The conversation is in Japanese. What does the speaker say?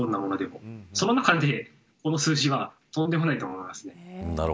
その中でこの数字はとんでもないと思います。